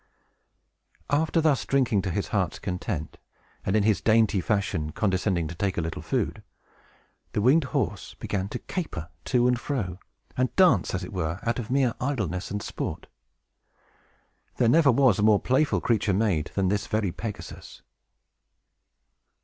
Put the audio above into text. After thus drinking to his heart's content, and, in his dainty fashion, condescending to take a little food, the winged horse began to caper to and fro, and dance as it were, out of mere idleness and sport. There never was a more playful creature made than this very Pegasus.